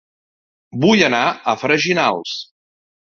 Vull anar a Freginals